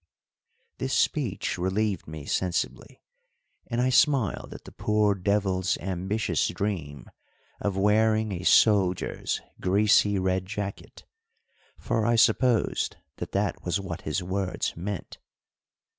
This speech relieved me sensibly, and I smiled at the poor devil's ambitious dream of wearing a soldier's greasy red jacket; for I supposed that that was what his words meant.